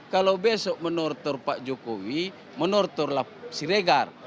kalau besok menortor pak jokowi menortorlah siregar